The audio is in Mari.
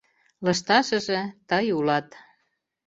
Лышташыже тый улат.